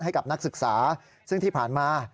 ให้กับนักศึกษาซึ่งที่ผ่านมา